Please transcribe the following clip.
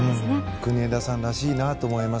国枝さんらしいなと思います。